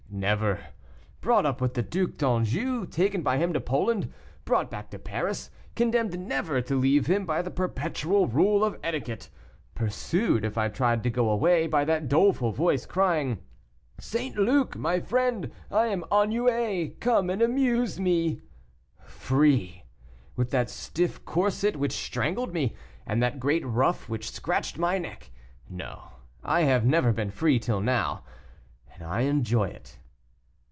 "Never. Brought up with the Duc d'Anjou, taken by him to Poland, brought back to Paris, condemned never to leave him by the perpetual rule of etiquette; pursued, if I tried to go away, by that doleful voice, crying, 'St. Luc, my friend, I am ennuyé, come and amuse me.' Free, with that stiff corset which strangled me, and that great ruff which scratched my neck! No, I have never been free till now, and I enjoy it."